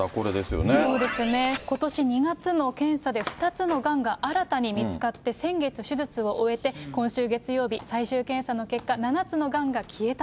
そうですね、ことし２月の検査で、２つのがんが新たに見つかって、先月、手術を終えて、今週月曜日、最終検査の結果、７つのがんが消えたと。